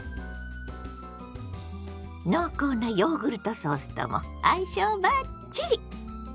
濃厚なヨーグルトソースとも相性バッチリ！